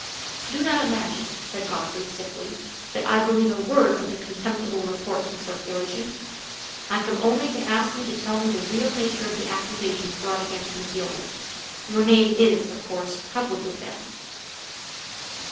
"Do not imagine," said Godfrey, stiffly, "that I believe a word of the contemptible reports in circulation. I come only to ask you to tell me the real nature of the accusations brought against Miss Yolland: your name is, of course, coupled with them."